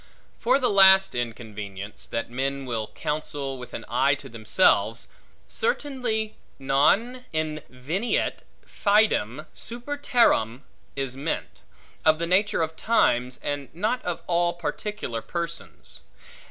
For the last inconvenience, that men will counsel, with an eye to themselves; certainly, non inveniet fidem super terram is meant, of the nature of times, and not of all particular persons.